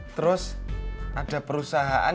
terus ada perusahaan